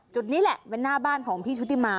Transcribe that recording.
จุดนี้แหละเป็นหน้าบ้านของพี่ชุติมา